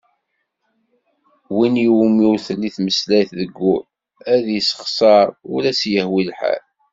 Win iwumi ur telli tmeslayt deg wul, ad yessexser ur as-yehwi lḥal.